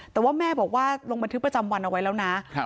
แต่ว่าแม่บอกว่าลงบันทึกประจำวันเอาไว้แล้วนะ